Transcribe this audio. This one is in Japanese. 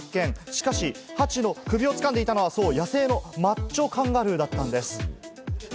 しかし、ハチの首を掴んでいたのはマッチョカンガルーだったんです。